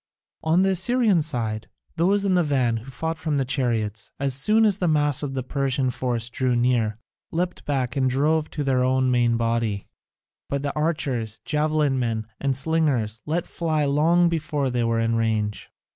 On the Assyrian side, those in the van who fought from the chariots, as soon as the mass of the Persian force drew near, leapt back and drove to their own main body; but the archers, javelin men, and slingers, let fly long before they were in range.